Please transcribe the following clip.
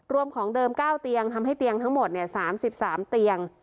ของเดิม๙เตียงทำให้เตียงทั้งหมด๓๓เตียง